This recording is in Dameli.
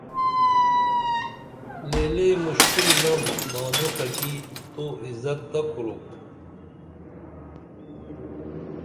لےلے مُشکُل نم مانوݜہ کی تو عزت تہ کُروپ